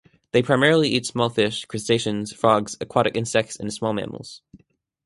They primarily eat small fish, crustaceans, frogs, aquatic insects, and small mammals.